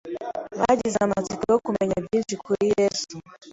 Bagize amatsiko yo kumenya byinshi kuri Yesu